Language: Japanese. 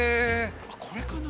これかな？